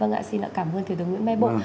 vâng ạ xin cảm ơn thủ tướng nguyễn me bộ